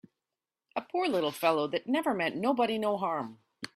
A poor little fellow that never meant nobody no harm!